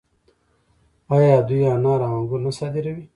آیا دوی انار او انګور نه صادروي؟